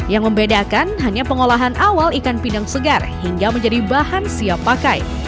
yang membedakan hanya pengolahan awal ikan pindang segar hingga menjadi bahan siap pakai